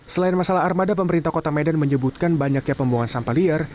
selain masalah armada pemerintah kota medan menyebutkan banyaknya pembuangan sampah liar